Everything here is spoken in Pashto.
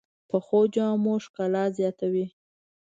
پخو جامو ښکلا زیاته وي